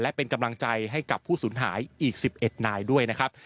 และเป็นกำลังใจให้กับผู้สูญหายอีก๑๑นายด้วยนะครับ